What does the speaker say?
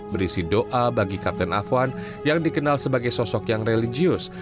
berisi doa bagi kapten afwan yang dikenal sebagai sosok yang religius